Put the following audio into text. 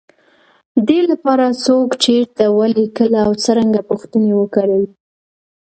دې لپاره، څوک، چېرته، ولې، کله او څرنګه پوښتنې وکاروئ.